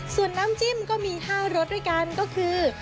ส่วนน้ำจิ้มก็มี๕รสด้วยกันก็คือ